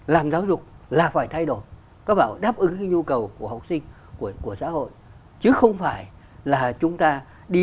làm giáo dục là phải thay đổi đáp ứng nhu cầu của học sinh của xã hội chứ không phải là chúng ta đi